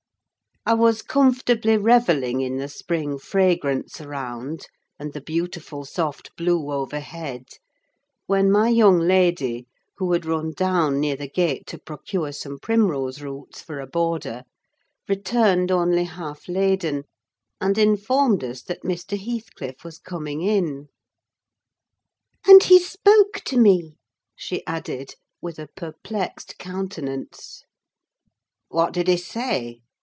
I was comfortably revelling in the spring fragrance around, and the beautiful soft blue overhead, when my young lady, who had run down near the gate to procure some primrose roots for a border, returned only half laden, and informed us that Mr. Heathcliff was coming in. "And he spoke to me," she added, with a perplexed countenance. "What did he say?"